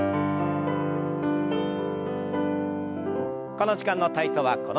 この時間の体操はこの辺で。